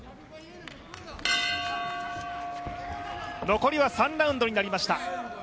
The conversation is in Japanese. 残りは３ラウンドになりました。